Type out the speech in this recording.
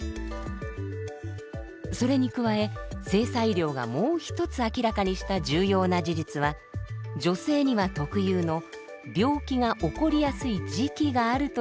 それに加え性差医療がもう一つ明らかにした重要な事実は女性には特有の「病気が起こりやすい時期」があるということなんです。